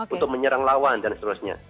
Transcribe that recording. untuk menyerang lawan dan seterusnya